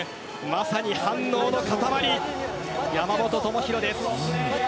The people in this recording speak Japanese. まさに反応の塊山本智大です。